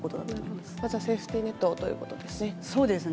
まずはセーフティーネットとそうですね。